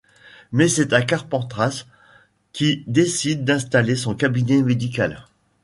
Mais c'est à Carpentras qu'il décide d'installer son cabinet médical.